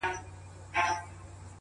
o دا چي له کتاب سره ياري کوي؛